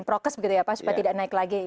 prokes begitu ya pak supaya tidak naik lagi